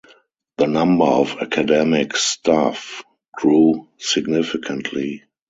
The number of academic staff grew significantly.